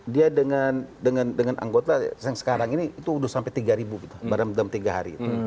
dia dengan anggota yang sekarang ini itu sudah sampai tiga gitu dalam tiga hari itu